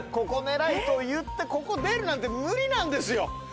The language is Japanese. ここ狙いと言ってここ出るなんて無理なんですよ